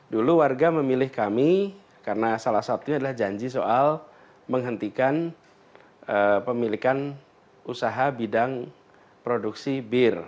dulu warga memilih kami karena salah satunya adalah janji soal menghentikan pemilikan usaha bidang produksi bir